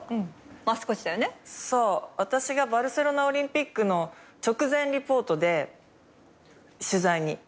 私がバルセロナオリンピックの直前リポートで取材に。